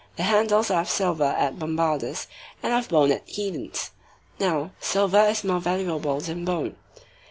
The handles are of silver at Bombarda's and of bone at Édon's. Now, silver is more valuable than bone."